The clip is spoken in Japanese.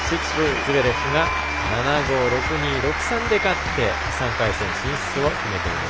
ズベレフが７−５、６−２、６−３で勝って３回戦進出を決めています。